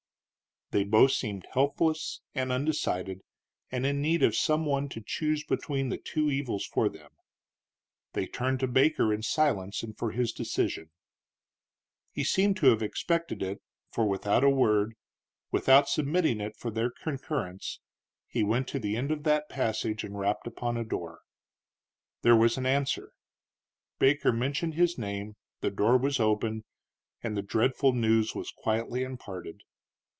They both seemed helpless and undecided, and in need of some one to choose between two evils for them. They turned to Baker in silence and for his decision. He seemed to have expected it, for without a word, without submitting it for their concurrence, he went to the end of that passage and rapped upon a door. There was an answer, Baker mentioned his name, the door was opened, and the dreadful news was quietly imparted.